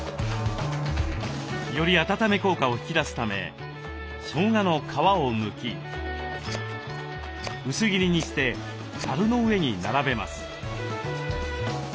より温め効果を引き出すためしょうがの皮をむき薄切りにしてざるの上に並べます。